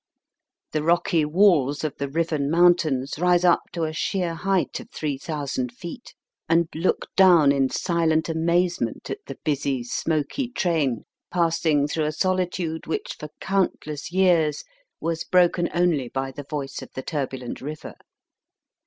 The rocky walls of the riven mountains rise up to a sheer height of three thousand feet, and look down in silent amazement at the busy, smoky train passing through a soUtude which for countless years was broken only by the voice of the turbulent river.